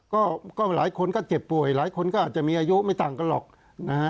ก็หลายคนก็เจ็บป่วยหลายคนก็อาจจะมีอายุไม่ต่างกันหรอกนะฮะ